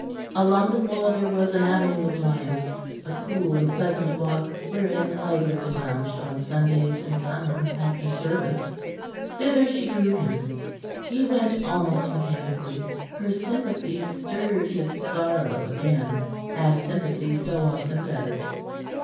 Along the wall there was an avenue of limes a cool and pleasant walk wherein idlers lounged on Sundays in summer after service. Thither she drew him. He went almost mechanically. Her sympathy stirred his sorrow again, as sympathy so often does.